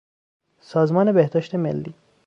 سازمان بهداشت ملی